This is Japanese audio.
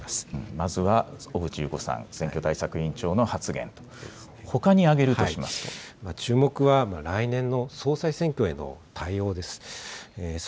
まずは小渕優子さん、選挙対策委員長の発言、注目は来年の総裁選挙への対応です。